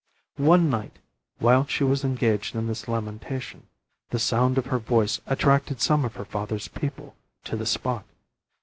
One night, while she was engaged in this lamentation, the sound of her voice attracted some of her father's people to the spot.